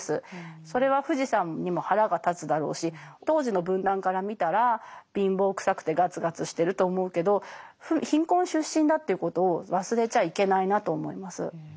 それは富士山にも腹が立つだろうし当時の文壇から見たら貧乏くさくてガツガツしてると思うけど貧困出身だということを忘れちゃいけないなと思います。